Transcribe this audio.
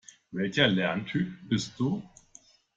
Welcher Lerntyp bist du?